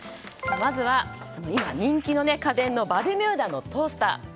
まずは今人気の家電のバルミューダのトースター。